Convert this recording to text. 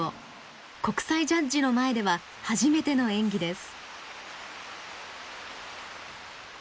国際ジャッジの前では初めての演技です。